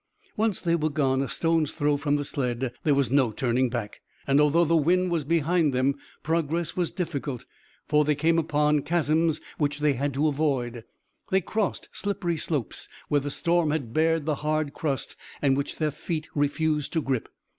Once they were gone a stone's throw from the sled there was no turning back, and although the wind was behind them progress was difficult, for they came upon chasms which they had to avoid; they crossed slippery slopes, where the storm had bared the hard crust and which their feet refused to grip.